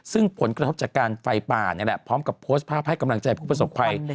ซึ่งผลกระทบจากการไฟป่านี่แหละพร้อมกับโพสต์ภาพให้กำลังใจผู้ประสบภัย